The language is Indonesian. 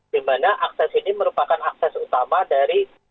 dimana akses ini merupakan akses utama dari